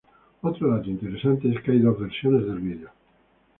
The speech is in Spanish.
Otro dato interesante es que hay dos versiones del video.